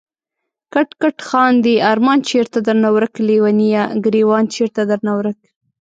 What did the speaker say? کټ کټ خاندی ارمان چېرته درنه ورک ليونيه، ګريوان چيرته درنه ورک